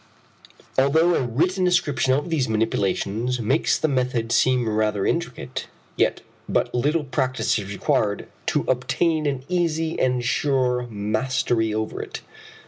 Although a written description of these manipulations makes the method seem rather intricate, yet but little practice is required to obtain an easy and sure mastery over it.